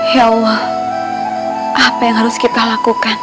ya allah apa yang harus kita lakukan